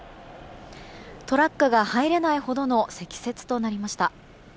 トラックが入れないほどの積雪となりました。